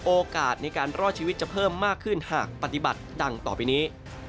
โอกาสในการรอดชีวิตจะเพิ่มมากขึ้นหากปฏิบัติดังต่อไปนี้